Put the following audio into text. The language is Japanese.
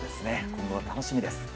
今後が楽しみです。